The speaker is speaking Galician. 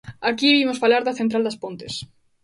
Aquí vimos falar da central das Pontes.